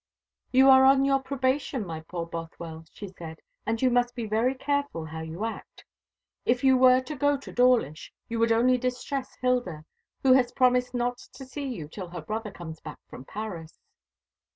"You are on your probation, my poor Bothwell," she said, "and you must be very careful how you act. If you were to go to Dawlish you would only distress Hilda, who has promised not to see you till her brother comes back from Paris."